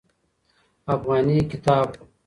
افغاني کتاب